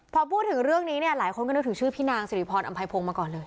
พอพูดถึงเรื่องนี้เนี่ยหลายคนก็นึกถึงชื่อพี่นางสิริพรอำไพพงศ์มาก่อนเลย